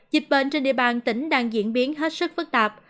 dịch bệnh trên địa bàn tỉnh đang diễn biến hết sức phức tạp